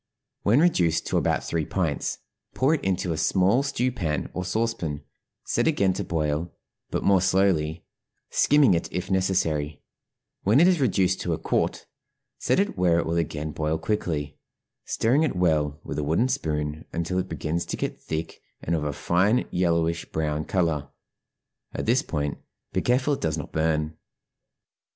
When reduced to about three pints, pour it into a small stew pan or saucepan, set again to boil, but more slowly, skimming it if necessary; when it is reduced to a quart, set it where it will again boil quickly, stirring it well with a wooden spoon until it begins to get thick and of a fine yellowish brown color; at this point be careful it does not burn.